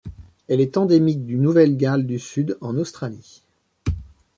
Elle est endémique du Nouvelle-Galles du Sud en Australie.